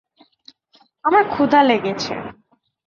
আমার ক্ষুধা লেগেছে।